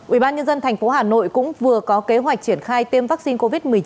ubnd thành phố hà nội cũng vừa có kế hoạch triển khai tiêm vaccine covid một mươi chín